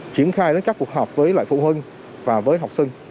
triển khai đến các cuộc họp với lại phụ huynh và với học sinh